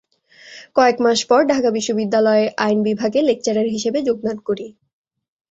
কয়েক মাস পর ঢাকা বিশ্ববিদ্যালয়ে আইন বিভাগে লেকচারার হিসেবে যোগদান করি।